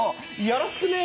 よろしくね。